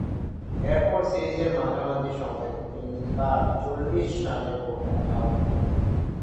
এরপর সিরিজের মাঝামাঝি সময়ে তিনবার চল্লিশ রানের কোটায় আউট হন।